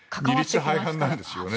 二律背反なんですよね。